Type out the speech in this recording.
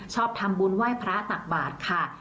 ชอบทำบุญไหว้พระตักบาทค่ะ